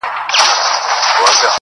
اې ښكلي پاچا سومه چي ستا سومه